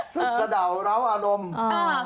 สุดสะดาวร้าวอารมณ์อ่า